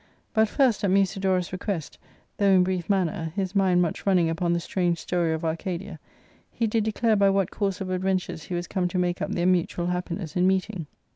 ^ ^q ,,^U* d But first, at Miisidorus' request, though in Dnef manner, his mind much funning upon the strange story of Arcadia, ^ he did declare by what course of adventures he was come to make up their mutual happiness in meeting.